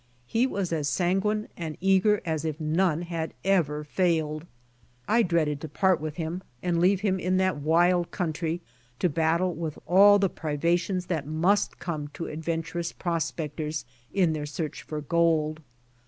He was as sanguine and eager as if none had ever failed. I dreaded to part with him and leave him in that wild country to battle with all the privations that must come to adventurous prospectors in their search for gold.